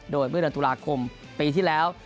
โดยเมื่อเดือนตุลาคมปีที่แล้ว